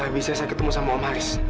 bisa saya ketemu sama omaris